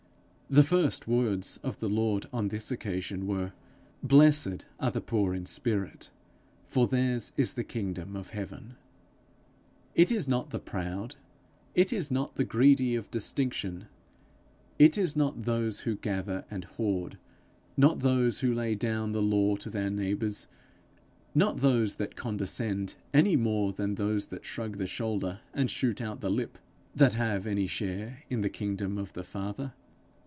The first words of the Lord on this occasion were: 'Blessed are the poor in spirit, for theirs is the kingdom of heaven,' It is not the proud, it is not the greedy of distinction, it is not those who gather and hoard, not those who lay down the law to their neighbours, not those that condescend, any more than those that shrug the shoulder and shoot out the lip, that have any share in the kingdom of the Father.